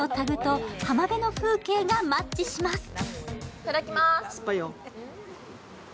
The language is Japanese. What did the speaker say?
いただきます。